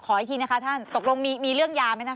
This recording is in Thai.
อีกทีนะคะท่านตกลงมีเรื่องยาไหมนะคะ